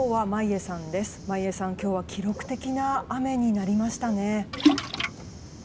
眞家さん、今日は記録的な雨になりましたね。